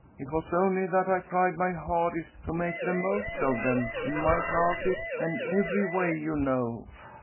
It was only that I tried my hardest to make the most of them, in my classes and every way, you know."